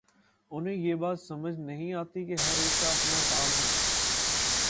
انہیں یہ بات سمجھ نہیں آتی کہ ہر ایک کا اپنا کام ہے۔